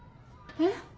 えっ？